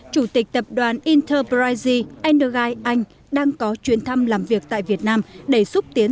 chủ tịch tập đoàn interbrisey energy anh đang có chuyến thăm làm việc tại việt nam để xúc tiến